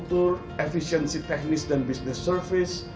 kita perlu memperkuat efisiensi teknis dan bisnis service